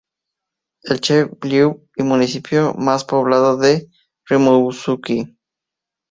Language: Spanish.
El chef-lieu y municipio más poblado es Rimouski.